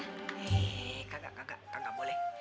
eh kagak kagak kagak boleh